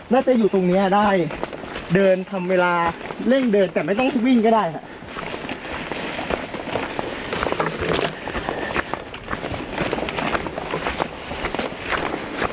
น่าจะอยู่ตรงนี้ได้เดินทำเวลาเร่งเดินแต่ไม่ต้องวิ่งก็ได้ครับ